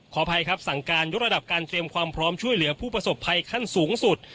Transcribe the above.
อภัยครับสั่งการยกระดับการเตรียมความพร้อมช่วยเหลือผู้ประสบภัยขั้นสูงสุด